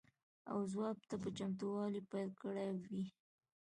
او ځواب ته په چتموالي پیل کړی وي.